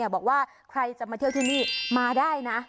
บอกว่าใครจะมาเที่ยวที่นี่มาได้นะ